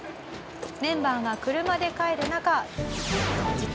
メンバーが車で帰る中。